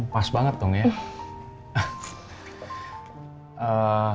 pas banget dong ya